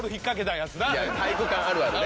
体育館あるあるね。